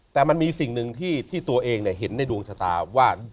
แต่มันมีสิ่งหนึ่งที่ตัวเองเห็นในดวงชะตาว่า